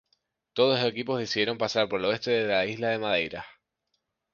Todos los equipos decidieron pasar por el oeste de la isla de Madeira.